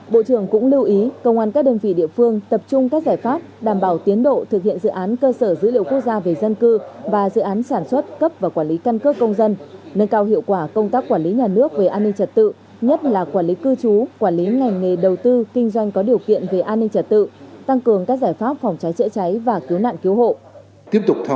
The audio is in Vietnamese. bộ trưởng cũng lưu ý công an các đơn vị địa phương tập trung các giải pháp đảm bảo tiến độ thực hiện dự án cơ sở dữ liệu quốc gia về dân cư và dự án sản xuất cấp và quản lý căn cơ công dân nâng cao hiệu quả công tác quản lý nhà nước về an ninh trật tự nhất là quản lý cư trú quản lý ngành nghề đầu tư kinh doanh có điều kiện về an ninh trật tự tăng cường các giải pháp phòng trái trễ trái và cứu nạn cứu hộ